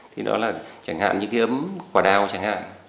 thì đó là chẳng hạn những cái ấm quả đao chẳng hạn